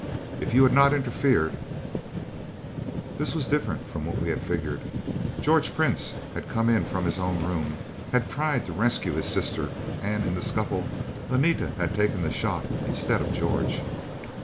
If you had not interfered " This was different from what we had figured. George Prince had come in from his own room, had tried to rescue his sister, and in the scuffle, Anita had taken the shot instead of George.